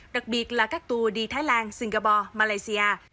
đặc biệt là các tour đi thái lan singapore malaysia